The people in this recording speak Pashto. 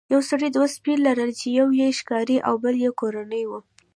یو سړي دوه سپي لرل چې یو یې ښکاري او بل یې کورنی و.